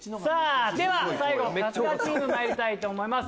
では最後春日チームまいりたいと思います。